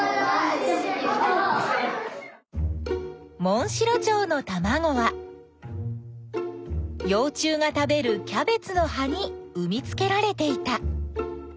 モンシロチョウのたまごはよう虫が食べるキャベツのはにうみつけられていた。